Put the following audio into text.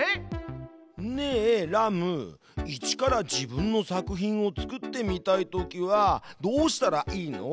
ねえラム一から自分の作品を作ってみたいときはどうしたらいいの？